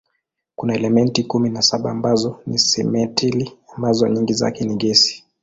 Kuna elementi kumi na saba ambazo ni simetili ambazo nyingi zake ni gesi.